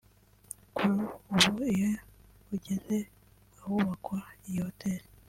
Kuri ubu iyo ugeze ahubakwa iyi hoteli